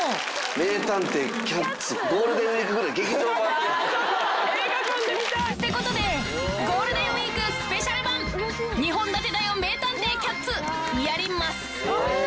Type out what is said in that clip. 名探偵キャッツ、ゴールデンウィークぐらい、劇場版で。ってことで、ゴールデンウィークスペシャル版、２本立てだよ名探偵キャッツ、やります。